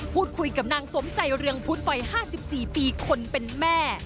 พูดคุยกับนางสมใจเรืองพุทธวัย๕๔ปีคนเป็นแม่